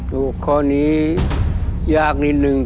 ลูกคนนี้ยากนิดหนึ่ง